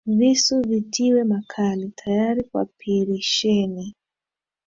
Visu vitiwe makali, tayari kwa pirisheni,